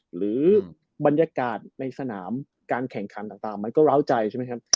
หรือบรรยากาศในสนามการแข่งขันต่างมันก็ร้าวใจใช่ไหมครับ